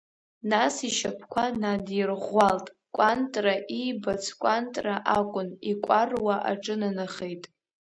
Нас ишьапқәа надирӷәӷәалт, Кәантра иибац Кәантра акәын, икәаруа аҿынанахеит.